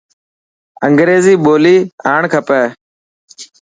انگريزي ٻولي آڻ کپي.